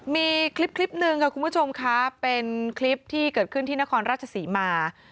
มีคลิปหนึ่งค่ะคุณผู้ชมค่ะเป็นคลิปที่เกิดขึ้นที่นครราชศรีมา